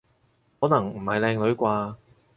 可能唔係靚女啩？